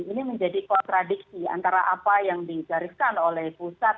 ini menjadi kontradiksi antara apa yang digariskan oleh pusat